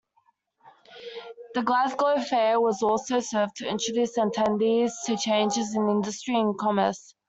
The Glasgow Fair also served to introduce attendees to changes in industry and commerce.